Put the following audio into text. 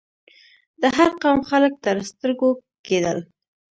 د هر قوم خلک تر سترګو کېدل.